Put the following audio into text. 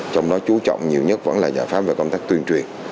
trong đó chú trọng nhiều nhất vẫn là giải pháp về công tác tuyên truyền